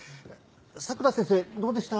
佐倉先生どうでした？